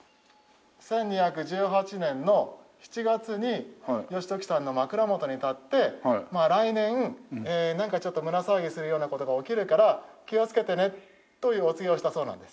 １２１８年の７月に義時さんの枕元に立って来年なんかちょっと胸騒ぎがするような事が起きるから気をつけてねというお告げをしたそうなんです。